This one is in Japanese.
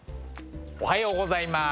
おはようございます。